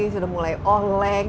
sudah mulai oleng